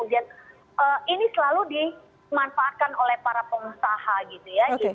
ini selalu dimanfaatkan oleh para pengusaha gitu ya